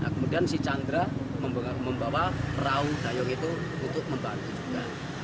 kemudian si chandra membawa perahu dayung itu untuk membantu juga